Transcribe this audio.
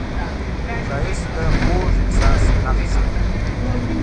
ښایست د خوږ احساس نښه ده